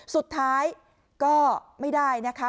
สุดท้ายก็ไม่ได้นะคะ